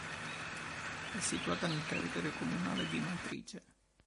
È situata nel territorio comunale di Matrice.